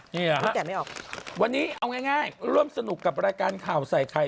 นี่แหละวันนี้เอาง่ายเริ่มสนุกกับรายการข่าวใส่ไข่